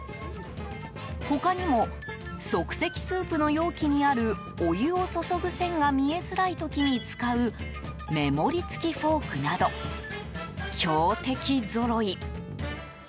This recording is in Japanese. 他にも、即席スープの容器にあるお湯を注ぐ線が見えづらい時に使う目盛り付きフォークなど強敵ぞろい。